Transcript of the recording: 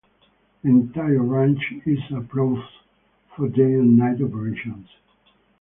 The entire range is approved for day and night operations.